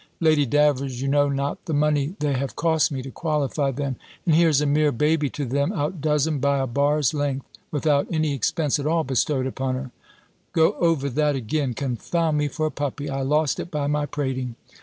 Lady Davers, you know not the money they have cost me to qualify them; and here's a mere baby to them outdoes 'em by a bar's length, without any expense at all bestowed upon her. Go over that again Confound me for a puppy! I lost it by my prating.